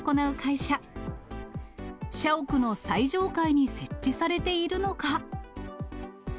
社屋の最上階に設置されているのが。